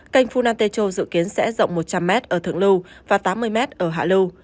canh phuna techo dự kiến sẽ rộng một trăm linh m ở thượng lưu và tám mươi m ở hạ lưu